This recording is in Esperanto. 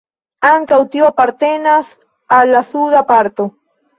Ankaŭ tio apartenas al la suda parto.